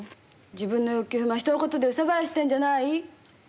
自分の欲求不満人のことで憂さ晴らししてんじゃない？